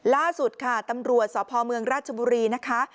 ล่าสุดค่ะตำรวจสพเมืองราชบุรีนะคะ